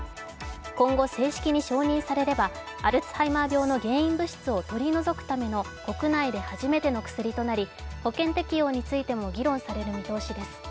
今後、正式に承認されればアルツハイマー病の原因物質を取り除くための国内で初めての薬となり保険適用についても議論される見通しです。